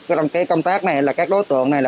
trong cái công tác này là các đối tượng này